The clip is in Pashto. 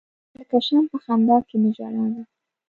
لکه شمع په خندا کې می ژړا ده.